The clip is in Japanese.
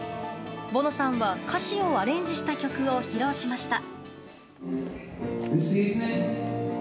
ボノさんは歌詞をアレンジした曲を披露しました。